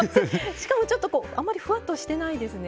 しかもちょっとこうあまりフワッとしてないですね。